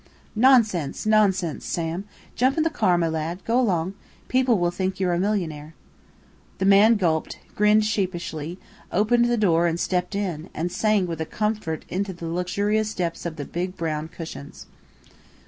"Nonsense, nonsense, Sam! Jump into the car, my lad. Go along. People will think you're a millionaire." The man gulped, grinned sheepishly, opened the door and stepped in, and sank with a sigh of comfort into the luxurious depths of the big brown cushions.